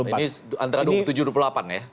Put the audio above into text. ini antara dua puluh tujuh dua puluh delapan ya